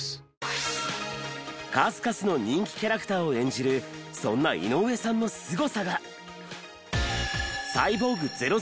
数々の人気キャラクターを演じるそんな井上さんのスゴさが。